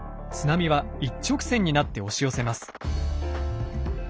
津波は一直線になって押し寄せます。